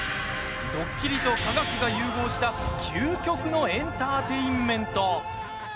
ドッキリと科学が融合した究極のエンターテインメント。